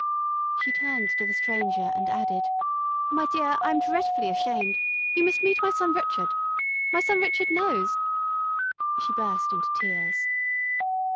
She turned to the Stranger, and added: "My dear, I am dretfully ashamed. You must meet my son Rrchud.... My son Rrchud knows...." She burst into tears.